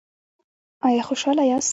ایا خوشحاله یاست؟